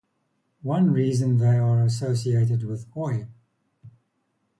One reason they are associated with Oi!